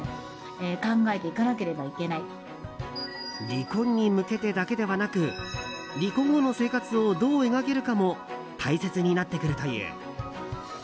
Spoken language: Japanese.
離婚に向けてだけではなく離婚後の生活をどう描けるかも大切になってくるという。